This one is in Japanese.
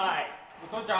お父ちゃん。